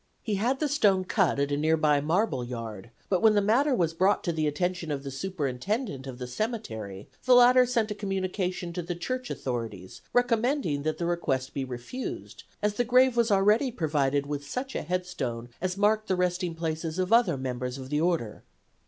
He had the stone cut at a nearby marble yard, but when the matter was brought to the attention of the superintendent of the cemetery the latter sent a communication to the church authorities recommending that the request be refused, as the grave was already provided with such a headstone as marked the resting places of other members of the order.